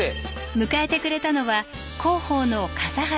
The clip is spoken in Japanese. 迎えてくれたのは広報の笠原さん。